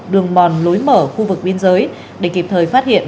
đường mòn lối mở khu vực biên giới để kịp thời phát hiện